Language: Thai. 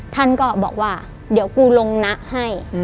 ท่านก็บอกว่าเดี๋ยวกูลงนะให้